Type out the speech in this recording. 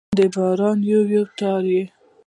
د باران یو، یو تار يې